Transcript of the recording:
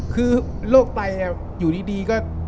คือโรคไตอยู่ดีก็